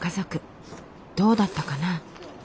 どうだったかな？